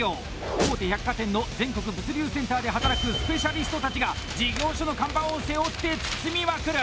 大手百貨店の全国物流センターで働くスペシャリストたちが事業所の看板を背負って包みまくる！